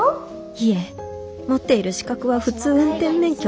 いえ持っている資格は普通運転免許のみ。